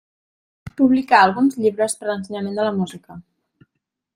Publicà alguns llibres per a l'ensenyament de la música.